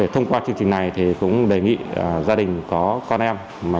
thông qua chương trình này cũng đề nghị gia đình có con em